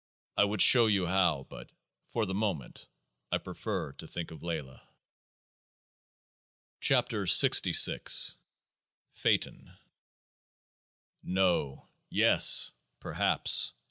I would show you how ; but — for the moment !— I prefer to think of Laylah. 92 KEOAAH OF PHAETON No. Yes. Perhaps.